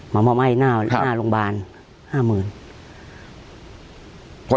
แล้วก็มาหม้อมไอ้หน้าโรงบาลคือ๕๐๐๐๐บาท